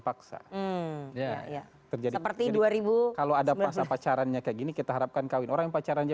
paksa ya terjadi seperti dua ribu kalau ada pas pacarannya kayak gini kita harapkan kawin orang